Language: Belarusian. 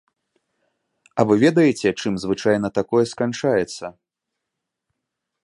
А вы ведаеце, чым звычайна такое сканчаецца.